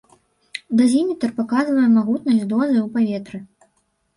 Дазіметр паказвае магутнасць дозы ў паветры.